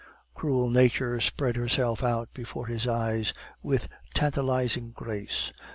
Cruel nature spread herself out before his eyes with tantalizing grace.